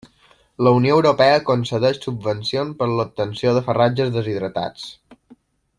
La Unió Europea concedeix subvencions per l'obtenció de farratges deshidratats.